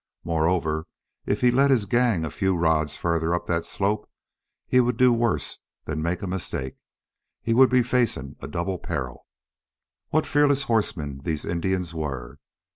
Moreover, if he led his gang a few rods farther up that slope he would do worse than make a mistake he would be facing a double peril. What fearless horsemen these Indians were!